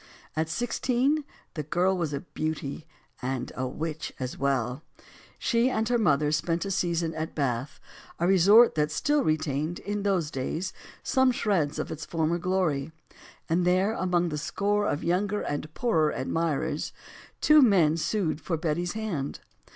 At sixteen the girl was a beauty and a witch as well. She and her mother spent a season at Bath, a resort that still retained in those days some shreds of its former glory. And there among a score of younger and poorer admirers two men sued for Betty's hand.